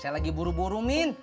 saya lagi buru buru min